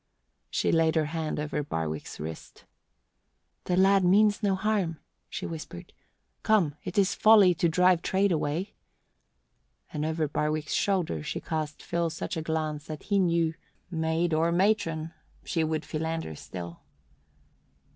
She laid her hand on Barwick's wrist. "The lad means no harm," she whispered. "Come, it is folly to drive trade away." And over Barwick's shoulder she cast Phil such a glance that he knew, maid or matron, she would philander still.